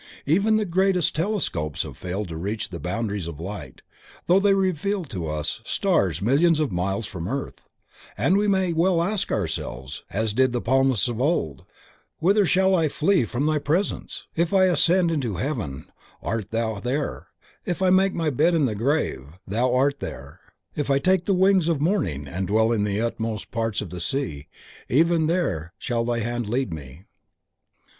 Even the greatest telescopes have failed to reach the boundaries of light, though they reveal to us stars millions of miles from the earth, and we may well ask ourselves, as did the Psalmist of old: Whither shall I flee from Thy Presence? If I ascend into heaven Thou art there, If I make my bed in the grave (the Hebrew word sheol means grave and not hell), Thou art there, If I take the wings of morning and dwell in the uttermost parts of the sea, even there shall thy hand lead me.